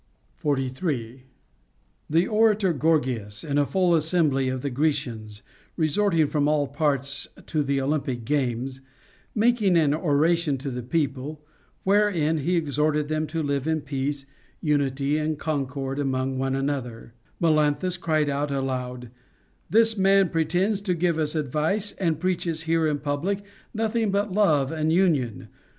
43. The orator Gorgias, in a full assembly of the Gre cians, resorting from all parts to the Olympic games, mak ing an oration to the people, wherein he exhorted them to live in peace, unity, and concord among one another, Melan thus cried out aloud : This man pretends to give us advice, and preaches here in public nothing but love and union, CONJUGAL PRECEPTS.